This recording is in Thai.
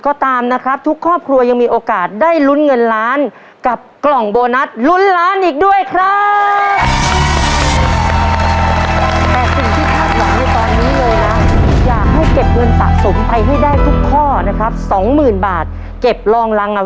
จากจะเก็บเงินสะสมไปให้ได้ทุกข้อนะครับ